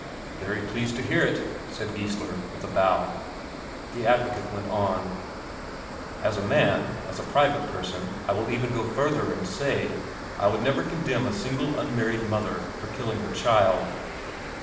"Very pleased to hear it," said Geissler, with a bow. The advocate went on: "As a man, as a private person, I will even go further, and say: I would never condemn a single unmarried mother for killing her child."